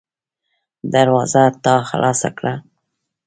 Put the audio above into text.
دروازه تا خلاصه کړه.